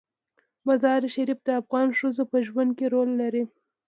مزارشریف د افغان ښځو په ژوند کې رول لري.